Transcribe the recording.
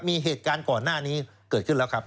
มีเหตุการณ์ก่อนหน้านี้เกิดขึ้นแล้วครับ